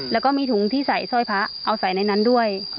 แล้วก็มีถุงที่ใส่สร้อยพระเอาใส่ในนั้นด้วย